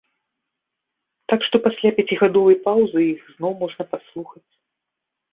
Так што пасля пяцігадовай паўзы іх зноў можна паслухаць.